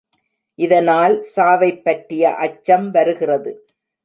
இதனால் சாவைப் பற்றிய அச்சம் வருகிறது.